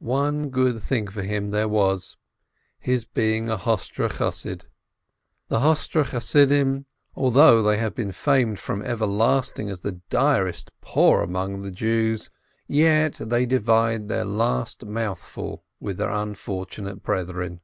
One good thing for him was this — his being a Hostre Chossid; the Hostre Chassidim, although they have been famed from everlasting as the direst poor among the Jews, yet they divide their last mouthful with their unfortunate brethren.